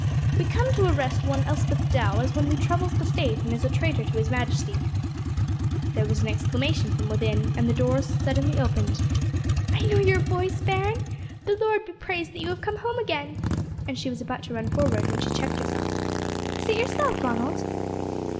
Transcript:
"We come to arrest one Elspeth Dow, as one who troubles the state and is a traitor to his majesty." There was an exclamation from within and the door suddenly opened. "I know your voice, bairn. The Lord be praised that you have come back home again!" and she was about to run forward, when she checked herself. "Is it yourself, Ronald?"